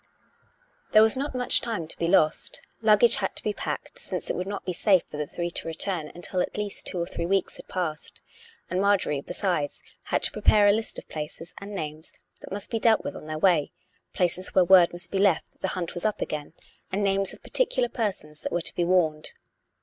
There was not much time to be lost. Luggage had to be packed, since it would not be safe for the three to return until at least two or three weeks had passed; and Marjorie, besides, had to prepare a list of places and names that must be dealt with on their way — places where word must be left that the hunt was up again, and names of particular per sons that were to be warned.